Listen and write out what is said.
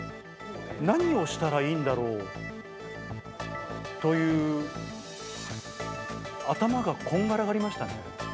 何をしたらいいんだろうという、頭がこんがらがりましたね。